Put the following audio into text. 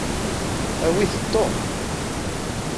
Awit Tom.